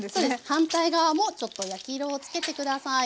反対側もちょっと焼き色をつけて下さい。